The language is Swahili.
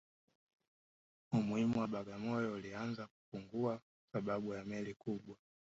Umuhimu wa Bagamoyo ulianza kupungua kwa sababu ya meli kubwa